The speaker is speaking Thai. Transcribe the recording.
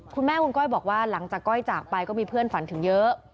คุณแม่คุณก้อยบอกว่าหลังจากก้อยจากไปก็มีเพื่อนฝันถึงเยอะ